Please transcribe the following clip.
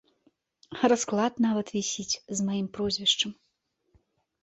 Расклад нават вісіць з маім прозвішчам.